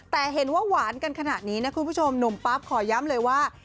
แต่เห็นว่าหวานกันขนาดนี้นะคุณผู้ชมหนุ่มปั๊บขอย้ำเลยว่า